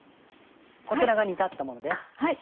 こちらが煮立ったものです。